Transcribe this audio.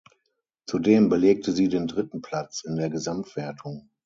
Zudem belegte sie den dritten Platz in der Gesamtwertung.